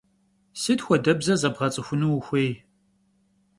Sıt xuedebze zebğets'ıxunu vuxuêy?